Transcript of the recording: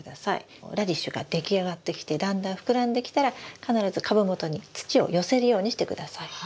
ラディッシュが出来上がってきてだんだん膨らんできたら必ず株元に土を寄せるようにしてください。